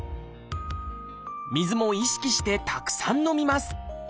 水も意識してたくさん飲みます。